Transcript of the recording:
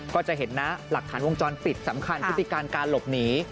ก็จะเห็นนะหลักฐานวงจรปิดสำคัญพฤติการการหลบหนี